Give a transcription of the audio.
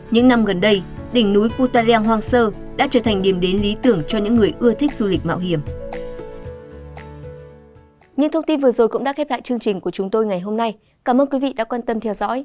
những năm gần đây đỉnh núi putaring hoang sơ đã trở thành điểm đến lý tưởng cho những người ưa thích du lịch mạo hiểm